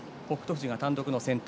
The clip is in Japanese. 富士が単独先頭。